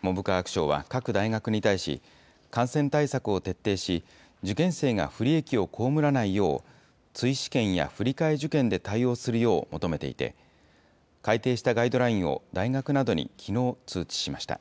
文部科学省は各大学に対し、感染対策を徹底し、受験生が不利益を被らないよう、追試験や振り替え受験で対応するよう求めていて、改訂したガイドラインを大学などにきのう通知しました。